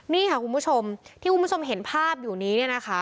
นี่ค่ะคุณผู้ชมเห็นภาพอยู่นี้